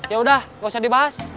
yaudah gak usah dibahas